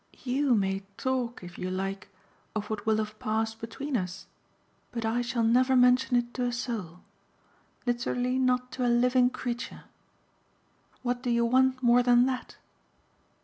YOU may talk, if you like, of what will have passed between us, but I shall never mention it to a soul; literally not to a living creature. What do you want more than that?"